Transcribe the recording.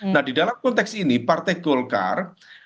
nah di dalam konteks ini partai golkar